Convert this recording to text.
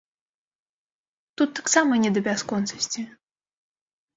Тут таксама не да бясконцасці.